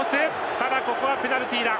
ただここはペナルティーだ。